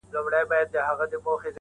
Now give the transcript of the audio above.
معصومه عصمتي دېوال ته ودروله